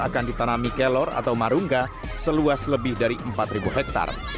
akan ditanami kelor atau marungga seluas lebih dari empat hektare